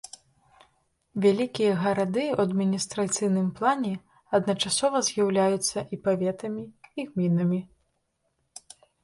Вялікія гарады ў адміністрацыйным плане адначасова з'яўляюцца і паветамі, і гмінамі.